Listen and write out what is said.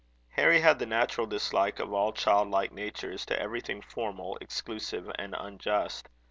Harry had the natural dislike of all childlike natures to everything formal, exclusive, and unjust.